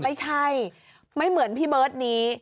ไม่ใช่ไม่เหมือนพี่เบิร์ตนี้